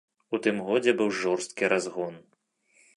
У тым годзе быў жорсткі разгон.